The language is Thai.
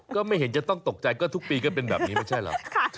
ก็ไม่เห็นจะต้องตกใจก็ทุกปีก็เป็นแบบนี้ไม่ใช่เหรอ